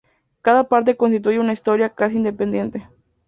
Cada parte constituye una historia casi independiente.